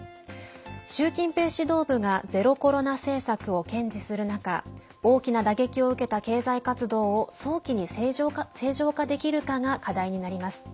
習近平指導部がゼロコロナ政策を堅持する中大きな打撃を受けた経済活動を早期に正常化できるかが課題になります。